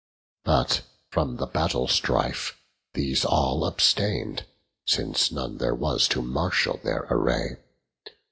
But from the battle strife these all abstain'd, Since none there was to marshal their array.